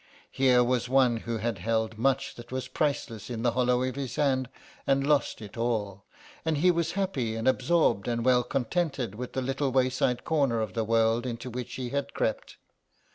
Here was one who had held much that was priceless in the hollow of his hand and lost it all, and he was happy and absorbed and well content with the little wayside corner of the world into which he had crept.